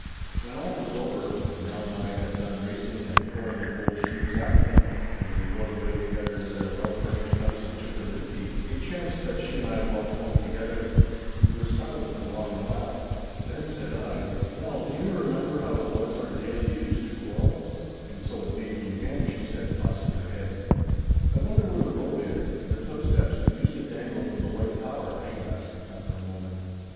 When all was over, and Nell and I had done racing and throwing of old shoes after them, as they rode away together to their well furnished house of Chitterlintie, it chanced that she and I walked home together. We were silent a long while. Then said I, 'Nell, do you remember how it was our daily use to quarrel?' 'And so it may be again,' she said, tossing her head. 'I wonder where the rope is, and the tow steps that used to dangle from the White Tower?' she asked after a moment.